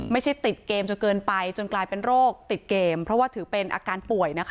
ติดเกมจนเกินไปจนกลายเป็นโรคติดเกมเพราะว่าถือเป็นอาการป่วยนะคะ